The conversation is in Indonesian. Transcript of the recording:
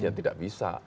ya tidak bisa